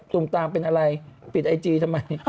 ตุ้มตามเป็นอะไรปิดไอจีส่วนตัวทำไม